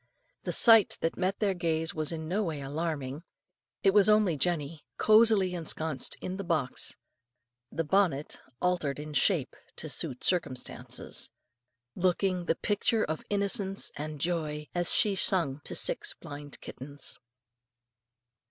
The sight that met their gaze was in no way alarming: it was only Jenny cosily ensconced in the box the bonnet altered in shape to suit circumstances looking the picture of innocence and joy as she sung to six blind kittens.